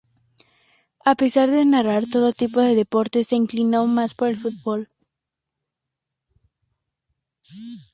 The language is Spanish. A pesar de narrar todo tipo de deportes, se inclinó más por el fútbol.